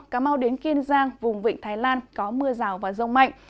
cà mau đến kiên giang vùng vịnh thái lan có mưa rào và rông mạnh